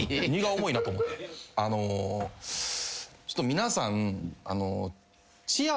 皆さん。